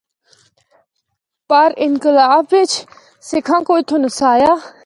پر انقلاب بچ سکھاں کو اتھو نسایا۔